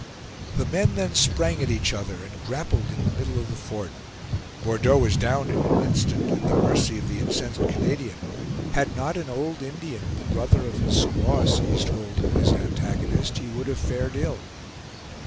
The men then sprang at each other, and grappled in the middle of the fort. Bordeaux was down in an instant, at the mercy of the incensed Canadian; had not an old Indian, the brother of his squaw, seized hold of his antagonist, he would have fared ill.